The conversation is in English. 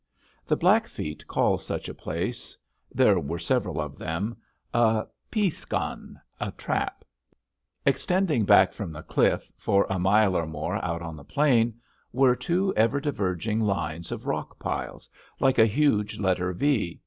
The Blackfeet call such a place there were several of them a pi´skan, a trap. Extending back from the cliff, for a mile or more out on the plain, were two ever diverging lines of rock piles, like a huge letter V.